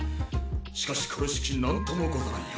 しかしこれしきなんともござらんよ。